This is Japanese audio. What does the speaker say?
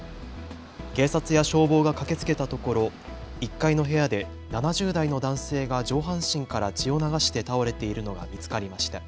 警察や消防が駆けつけたところ１階の部屋で７０代の男性が上半身から血を流して倒れているのが見つかりました。